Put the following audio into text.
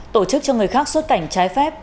tổ chức cho người khác xuất cảnh trái phép